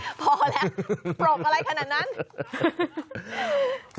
พอแล้วปรกอะไรขนาดนั้น